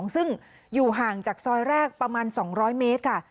ซึ่งอยู่ห่างจากซอยแรกประมาณ๒๐๐เมตรค่ะ